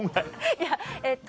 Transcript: いやえっと